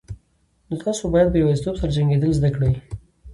نو تاسو باید په یوازیتوب سره جنگیدل زده کړئ.